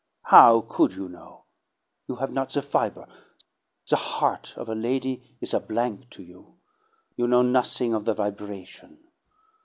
How could you know? You have not the fiber; the heart of a lady is a blank to you; you know nothing of the vibration.